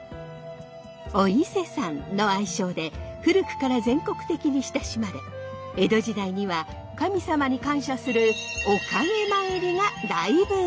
お伊勢さんの愛称で古くから全国的に親しまれ江戸時代には神様に感謝するおかげ参りが大ブームに！